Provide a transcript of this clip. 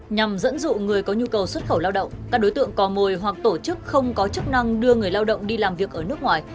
nhằm dẫn dụ người có nhu cầu xuất khẩu lao động các đối tượng cò mồi hoặc tổ chức không có chức năng đưa người lao động đi làm việc ở nước ngoài